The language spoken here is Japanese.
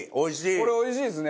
これおいしいですね。